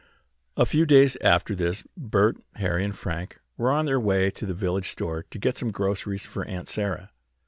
A few days after this Bert, Harry and Frank were on their way to the village store to get some groceries for Aunt Sarah.